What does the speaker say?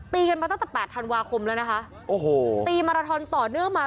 กันมาตั้งแต่แปดธันวาคมแล้วนะคะโอ้โหตีมาราทอนต่อเนื่องมา